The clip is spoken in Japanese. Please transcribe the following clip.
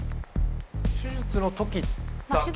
手術の時だけ？